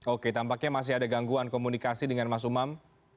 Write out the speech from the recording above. oke tampaknya masih ada gangguan komunikasi dengan mas umam